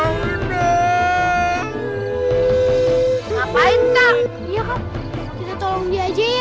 nggak ganggu warga kita lagi